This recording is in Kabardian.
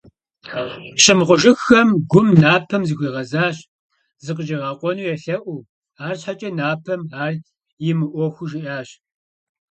Щымыхъужыххэм, Гум Напэм зыхуигъэзащ, закъыщӀигъэкъуэну елъэӀуу, арщхьэкӀэ, Напэм ар и мыӀуэхуу жиӀащ.